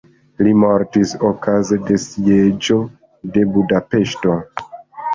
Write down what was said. Li mortis okaze de sieĝo de Budapeŝto.